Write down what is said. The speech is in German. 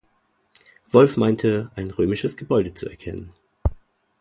Wolff meinte, ein römisches Gebäude zu erkennen.